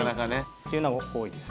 っていうのは多いですね。